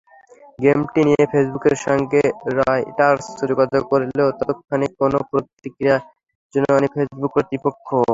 গেমটি নিয়ে ফেসবুকের সঙ্গে রয়টার্স যোগাযোগ করলেও তাত্ক্ষণিক কোনো প্রতিক্রিয়া জানায়নি ফেসবুক কর্তৃপক্ষ।